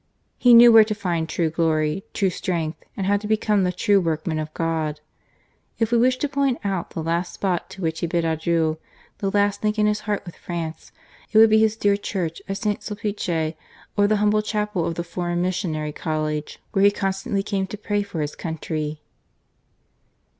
He knew where to find true glory, true strength, and how to become the true workman of God. If we wish to point out the last spot to which he bid adieu, the last link in his heart with France, it would be his dear Church of St. Sulpice, or the humble Chapel of the Foreign Missionary College, where he so constantly came to pray for his country."